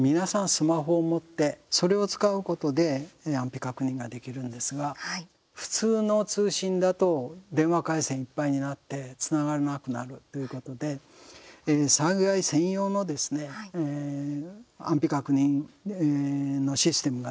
スマホを持ってそれを使うことで安否確認ができるんですが普通の通信だと電話回線いっぱいになってつながらなくなるということで災害専用のですね、安否確認のシステムができています。